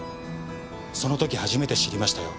その時初めて知りましたよ。